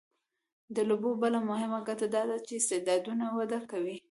د لوبو بله مهمه ګټه دا ده چې استعدادونه وده کوي.